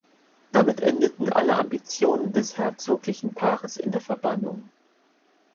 Damit endeten alle Ambitionen des herzoglichen Paares in der Verbannung.